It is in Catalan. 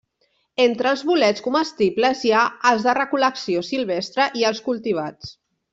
Entre els bolets comestibles hi ha els de recol·lecció silvestre i els cultivats.